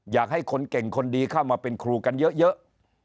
อยากให้คนเก่งคนดีเข้ามาเป็นครูกันเยอะ